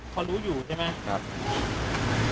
เขารู้อยู่ใช่ไหม